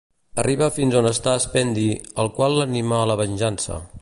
Arriba fins on està Spendi, el qual l'anima a la venjança.